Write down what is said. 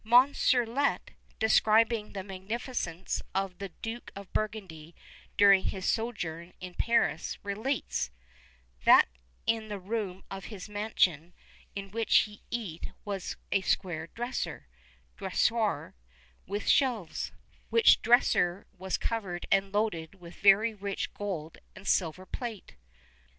Monstrelet, describing the magnificence of the Duke of Burgundy during his sojourn in Paris, relates: "that in the room of his mansion in which he eat was a square dresser (dressoir) with shelves, which dresser was covered and loaded with very rich gold and silver plate."